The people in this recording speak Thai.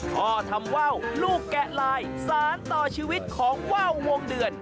พ่อทำว่าวลูกแกะลายสารต่อชีวิตของว่าววงเดือน